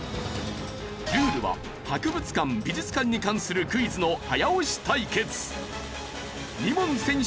ルールは博物館・美術館に関するクイズの早押し対決。